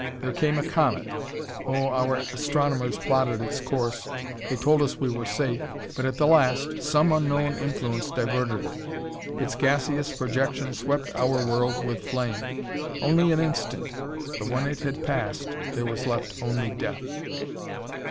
There came a comet. Oh, our astronomers plotted its course; they told us we were safe. But at the last some unknown influence diverted it; its gaseous projection swept our world with flame. Only an instant; but when it had passed there was left only death...."